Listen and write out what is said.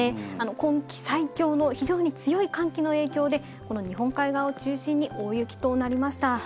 今季最強の非常に強い寒気の影響で、この日本海側を中心に、大雪となりました。